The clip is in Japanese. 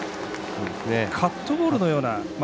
カットボールのような。